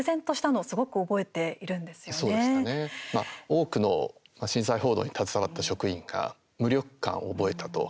多くの震災報道に携わった職員が無力感を覚えたと。